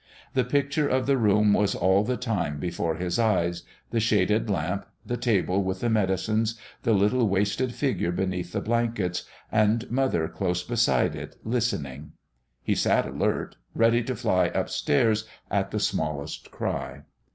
The picture of the room was all the time before his eyes the shaded lamp, the table with the medicines, the little wasted figure beneath the blankets, and mother close beside it, listening. He sat alert, ready to fly upstairs at the smallest cry.